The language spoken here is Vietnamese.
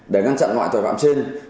để ngăn chặn ngoại tội phạm trên